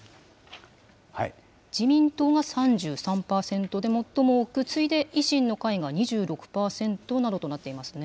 自民党が３３％で最も多く、次いで維新の会が２６％などとなっていますね。